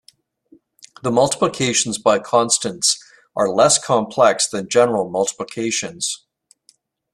The multiplications by constants are less complex than general multiplications.